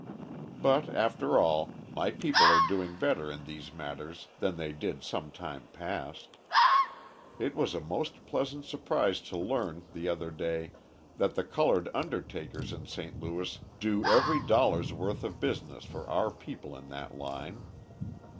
But, after all, my people are doing better in these matters than they did some time past. It was a most pleasant surprise to learn, the other day, that the coloured undertakers in St. Louis do every dollar's worth of business for our people in that line.